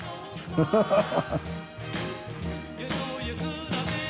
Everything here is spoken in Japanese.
アハハハ。